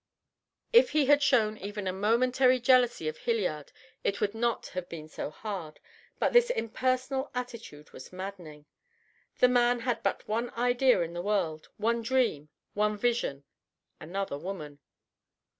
If he had shown even a momentary jealousy of Hilliard it would not have been so hard, but this impersonal attitude was maddening! The man had but one idea in the world, one dream, one vision another woman.